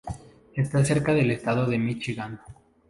Está cerca del estado de Míchigan.